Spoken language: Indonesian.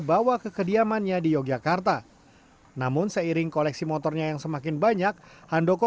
bawa ke kediamannya di yogyakarta namun seiring koleksi motornya yang semakin banyak handoko